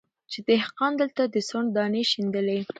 چي دهقان دلته د سونډ دانې شیندلې